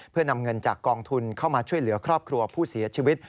เพื่อนำเงินจากกองทุนเข้ามาช่วยเหลือครอบครัวผู้เสียชีวิต